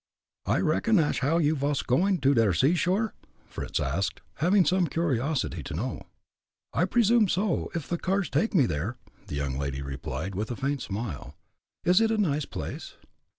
"I reckon ash how you vas goin' to der sea shore?" Fritz asked, having some curiosity to know. "I presume so, if the cars take me there," the young lady replied, with a faint smile. "Is it a nice place?"